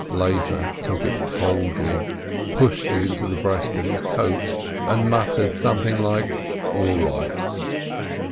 Lezer took it coldly, pushed it into the breast of his coat, and muttered something like "All right